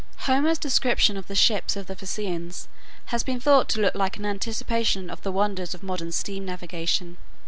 Homer's description of the ships of the Phaeacians has been thought to look like an anticipation of the wonders of modern steam navigation.